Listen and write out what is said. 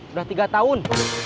udah tiga tahun